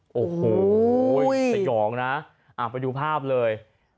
โอ้โหสยองนะไปดูภาพเลย